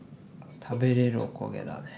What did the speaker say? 食べれるお焦げだね。